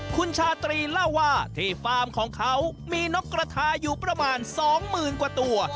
คุณชาตรีเล่าว่าที่ฟาร์มของเขามีนกกระทาอยู่ประมาณ๒๐๐๐กว่าตัว